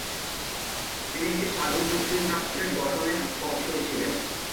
তিনি একটি স্বাধীন মুসলিম রাষ্ট্রে গঠনের পক্ষেও ছিলেন।